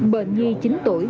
bệnh nhi chín tuổi